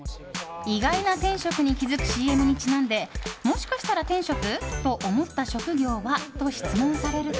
意外な天職に気づくＣＭにちなんでもしかしたら天職？と思った職業はと質問されると。